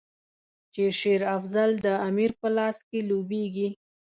چې شېر افضل د امیر په لاس کې لوبیږي.